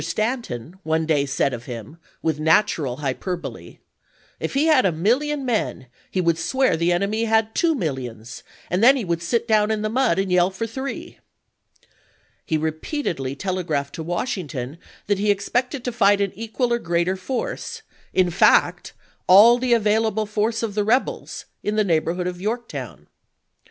Stanton one day said of him, with natural hyperbole : "If he had a million men, he would swear the enemy had two millions, and then he would sit down in the mud and yell for three." He repeatedly telegraphed to Washington that he expected to fight an equal or greater force — in fact, " all the available force of the rebels " in the neighborhood of Yorktown.